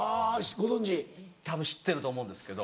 たぶん知ってると思うんですけど。